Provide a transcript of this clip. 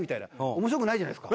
面白くないじゃないですか。